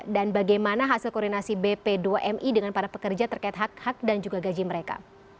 dan bagaimana hasil koordinasi bp dua mi dengan para pekerja terkait hak hak dan juga gaji mereka